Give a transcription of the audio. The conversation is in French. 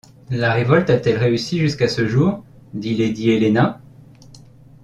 La révolte a-t-elle réussi jusqu’à ce jour? dit lady Helena.